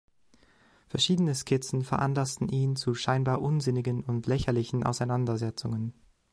Verschiedene Skizzen veranlassten ihn zu scheinbar unsinnigen und lächerlichen Auseinandersetzungen.